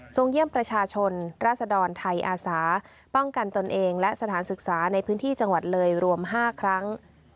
เยี่ยมประชาชนราศดรไทยอาสาป้องกันตนเองและสถานศึกษาในพื้นที่จังหวัดเลยรวม๕ครั้ง